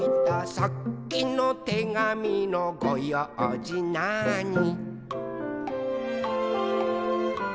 「さっきのてがみのごようじなーに」